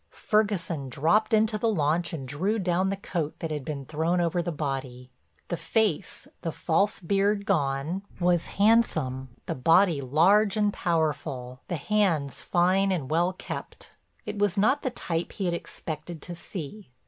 Ferguson dropped into the launch and drew down the coat that had been thrown over the body. The face, the false beard gone, was handsome, the body large and powerful, the hands fine and well kept—it was not the type he had expected to see.